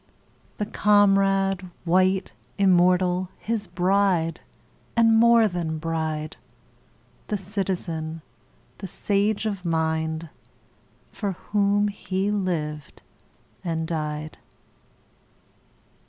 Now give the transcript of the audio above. The comrade, white, immortal, His bride, and more than bride— The citizen, the sage of mind, For whom he lived and died.